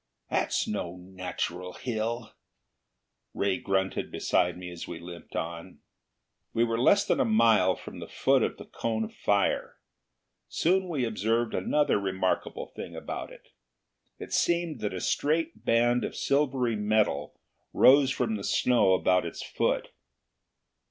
"That's no natural hill!" Ray grunted beside me as we limped on. We were less than a mile from the foot of the cone of fire. Soon we observed another remarkable thing about it. It seemed that a straight band of silvery metal rose from the snow about its foot.